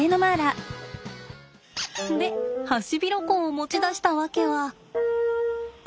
でハシビロコウを持ち出した訳はこれ。